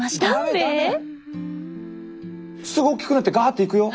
すぐ大きくなってガーッといくよ。